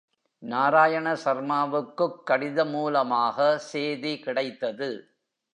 நாராயண சர்மாவுக்குக் கடிதமூலமாக சேதிகிடைத்தது.